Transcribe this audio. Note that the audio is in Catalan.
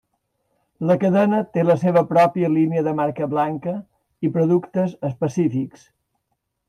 La cadena té la seva pròpia línia de marca blanca i productes específics.